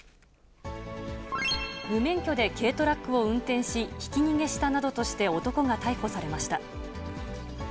無免許で軽トラックを運転し、ひき逃げしたなどとして男が逮捕されました。